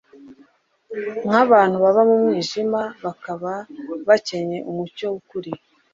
nk'abantu baba mu mwijima, bakaba bakencye umucyo w'ukuri.